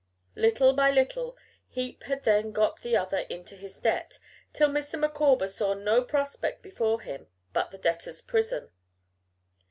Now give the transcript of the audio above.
Little by little Heep had then got the other into his debt, till Mr. Micawber saw no prospect before him but the debtors' prison.